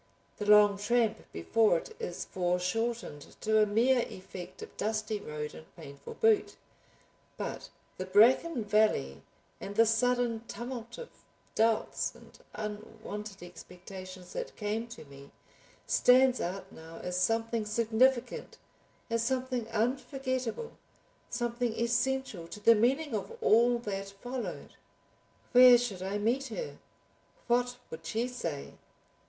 The long tramp before it is foreshortened to a mere effect of dusty road and painful boot, but the bracken valley and sudden tumult of doubts and unwonted expectations that came to me, stands out now as something significant, as something unforgettable, something essential to the meaning of all that followed. Where should I meet her? What would she say?